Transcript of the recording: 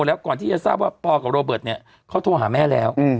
แล้วก่อนที่จะทราบว่าปอกับโรเบิร์ตเนี่ยเขาโทรหาแม่แล้ว